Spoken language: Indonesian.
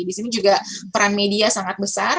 di sini juga peran media sangat besar